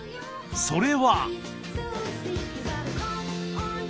それは。